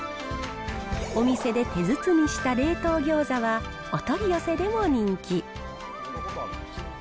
お店で手包みした冷凍餃子は、お取り寄せでも人気。